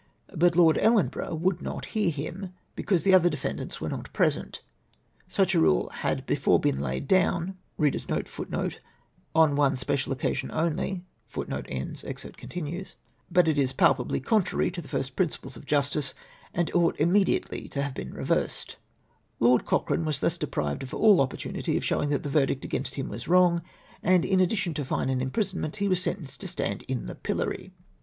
But Lord Ellenborough would not hear him, because the other defendants were not present. Such a rule had before been laid down *, but it is palpably contrary to the first princlpjlcs of justice, and ought immedlcdely to have been reversed^ "Lord Cochrane was thus deprived of all opportunity of showing that the verdict against him was wrong, and in addition to fine and imprisonment, he was sentenced to stand in the pillory.